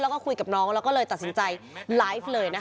แล้วก็คุยกับน้องแล้วก็เลยตัดสินใจไลฟ์เลยนะคะ